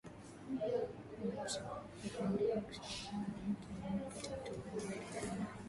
Amemshukuru kwa kuendelea kushirikiana na Benki ya Dunia katika kutekeleza miradi mbalimbali ya maendeleo